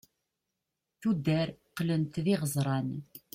tuddar qlent d iɣeẓran